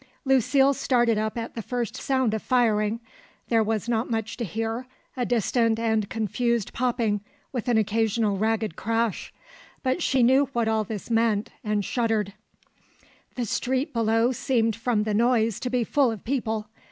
Lucile started up at the first sound of firing. There was not much to hear, a distant and confused popping with an occasional ragged crash; but she knew what all this meant and shuddered. The street below seemed from the noise to be full of people.